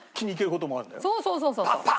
そうそうそうそう。